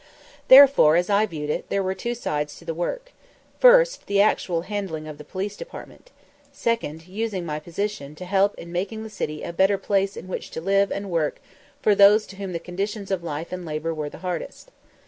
Therefore, as I viewed it, there were two sides to the work: first, the actual handling of the Police Department; second, using my position to help in making the city a better place in which to live and work for those to whom the conditions of life and labor were hardest.